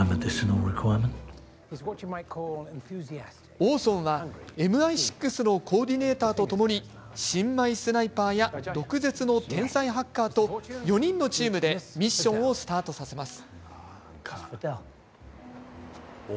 オーソンは、ＭＩ６のコーディネーターとともに新米スナイパーや毒舌の天才ハッカーと４人のチームでミッションをスタートさせます。